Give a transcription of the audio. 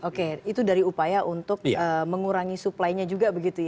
oke itu dari upaya untuk mengurangi suplainya juga begitu ya